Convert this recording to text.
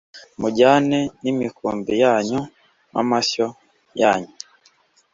mujyane n imikumbi yanyu n amashyo yanyu